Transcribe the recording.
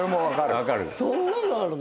そんなのあるの？